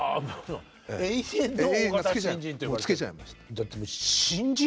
「永遠」付けちゃいました。